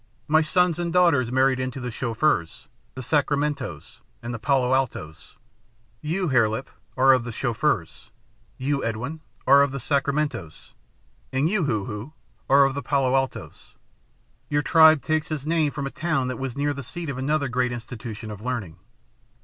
My sons and daughters married into the Chauffeurs, the Sacramen tos, and the Palo Altos. You, Hare Lip, are of the Chauffeurs. You, Edwin, are of the Sacramentos. And you, Hoo Hoo, are of the Palo Altos. Your tribe takes its name from a town that was near the seat of another great institution of learning.